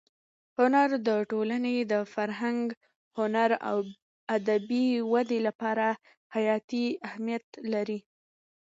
هنر د ټولنې د فرهنګ، هنر او ادبي ودې لپاره حیاتي اهمیت لري.